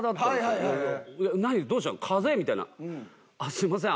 「すいません